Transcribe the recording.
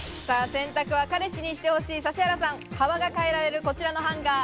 洗濯は彼氏にしてほしい指原さん、幅が変えられる、こちらのハンガー。